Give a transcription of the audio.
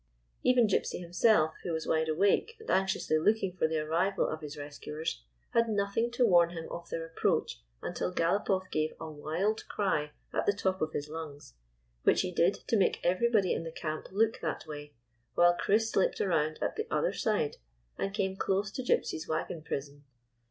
Even Gypsy himself, who was wide awake and anxiously looking for the arrival of his res 215 GYPSY, THE TALKING DOG cuers, had nothing to warn him of their ap proach until Galopoff gave a wild cry at the top of his lungs, which he did to make everybody in the camp look that way, while Chris slipped around at the other side and came close to Gypsy's wagon prison.